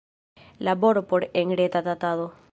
Laboro por enreta datado.